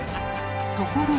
ところが。